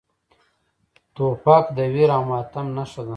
توپک د ویر او ماتم نښه ده.